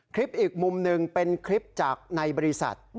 อีกมุมหนึ่งเป็นคลิปจากในบริษัท